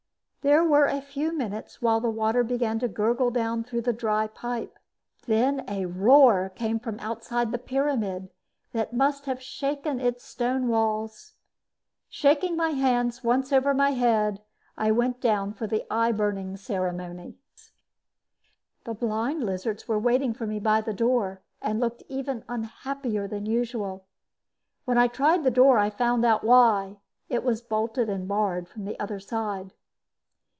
There were a few minutes while the water began to gurgle down through the dry pipe. Then a roar came from outside the pyramid that must have shaken its stone walls. Shaking my hands once over my head, I went down for the eye burning ceremony. The blind lizards were waiting for me by the door and looked even unhappier than usual. When I tried the door, I found out why it was bolted and barred from the other side.